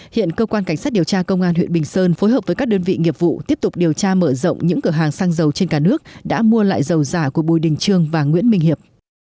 hiện cơ quan cảnh sát điều tra công an huyện bình sơn phối hợp với các đơn vị nghiệp vụ tiếp tục điều tra mở rộng những cửa hàng xăng dầu trên cả nước đã mua lại dầu giả của bùi đình trương và nguyễn minh hiệp